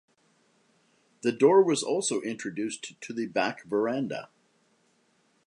A door was also introduced to the back verandah.